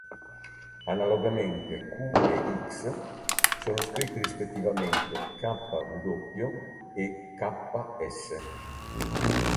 Analogamente "qu" e "x" sono scritti rispettivamente "kw" e "ks".